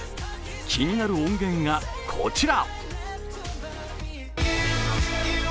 気になる音源がこちら。